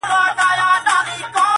لنډۍ په غزل کي، پنځمه برخه!